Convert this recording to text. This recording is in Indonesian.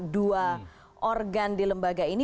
dua organ di lembaga ini